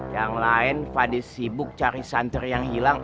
eh yang lain fadil sibuk cari santri yang hilang